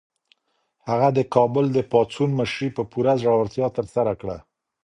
هغه د کابل د پاڅون مشري په پوره زړورتیا ترسره کړه.